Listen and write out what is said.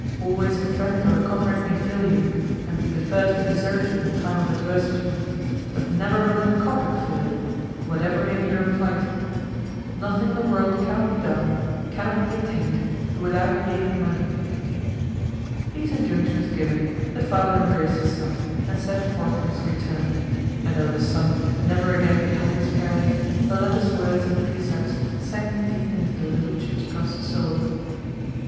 Always a friend or a comrade may fail you, and be the first to desert you in a time of adversity; but never will a KOPECK fail you, whatever may be your plight. Nothing in the world cannot be done, cannot be attained, with the aid of money." These injunctions given, the father embraced his son, and set forth on his return; and though the son never again beheld his parent, the latter's words and precepts sank deep into the little Chichikov's soul.